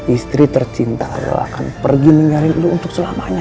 istri tercinta lo akan pergi mencari lo untuk selamanya